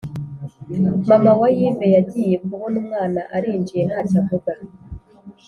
Mama wa yive yagiye kubona umwana arinjiye ntacyo avuga